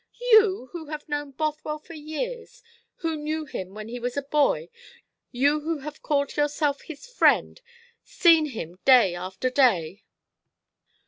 "You, who have known Bothwell for years, who knew him when he was a boy, you who have called yourself his friend, seen him day after day!